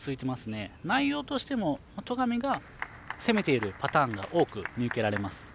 内容としても戸上が攻めているパターンが多く見受けられます。